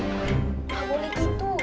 pak boleh gitu